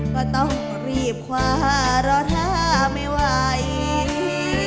ก็ต้องรีบคว้ารอถ้าไม่ไหว